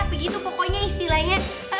begitu pokoknya istilahnya